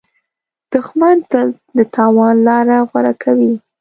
دښمن تل د تاوان لاره غوره کوي